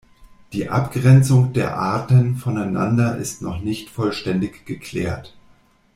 Die Abgrenzung der Arten voneinander ist noch nicht vollständig geklärt.